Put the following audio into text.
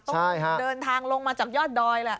ต้องเดินทางลงมาจากยอดดอยละ